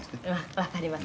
「わかります。